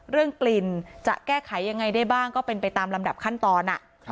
เรื่องกลิ่นจะแก้ไขยังไงได้บ้างก็เป็นไปตามลำดับขั้นตอน